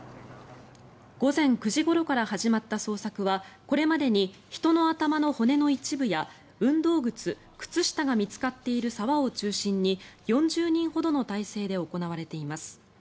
午前９時ごろから始まった捜索はこれまでに人の頭の骨の一部や運動靴、靴下が見つかっている沢を中心に４０人ほどの態勢で行われています。